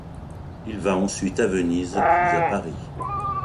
Il va ensuite à Venise puis à Paris.